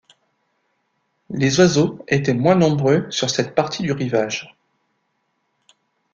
Les oiseaux étaient moins nombreux sur cette partie du rivage.